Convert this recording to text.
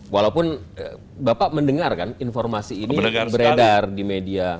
walaupun bapak mendengarkan informasi ini beredar di media